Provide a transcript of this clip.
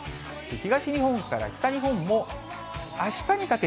東日本から北日本もあしたにかけ